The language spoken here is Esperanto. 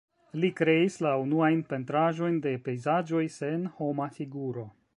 Li kreis la unuajn pentraĵojn de pejzaĝoj sen homa figuro.